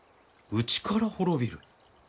「内から滅びる」？